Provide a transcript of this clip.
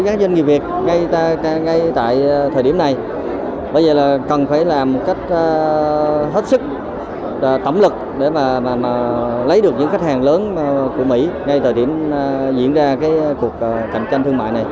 các doanh nghiệp việt ngay tại thời điểm này bây giờ là cần phải làm một cách hết sức tổng lực để mà lấy được những khách hàng lớn của mỹ ngay thời điểm diễn ra cái cuộc cạnh tranh thương mại này